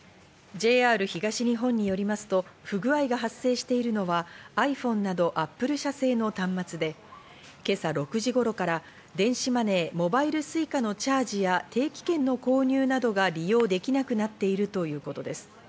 ＪＲ東日本によりますと、不具合が発生しているのはｉＰｈｏｎｅなどアップル社製の端末で今朝６時頃から電子マネー、モバイルＳｕｉｃａのチャージや定期券の購入などが利用できなくなっているということです。